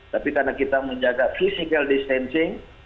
tapi karena kita menjaga physical distancing